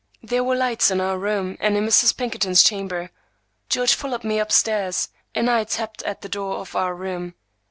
There were lights in our room and in Mrs. Pinkerton's chamber. George followed me up stairs, and I tapped at the door of our room.